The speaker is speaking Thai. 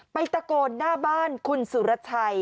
ตะโกนหน้าบ้านคุณสุรชัย